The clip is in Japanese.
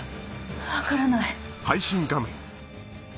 分からない。